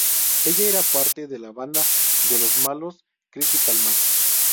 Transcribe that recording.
Ella era parte de la banda de los malos de Critical Mass.